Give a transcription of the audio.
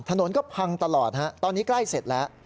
ถนนก็พังตลอดฮะตอนนี้ใกล้เสร็จแล้ว